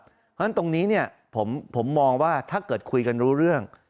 เพราะฉะนั้นตรงนี้ผมมองว่าถ้าเกิดคุยกันรู้เรื่อง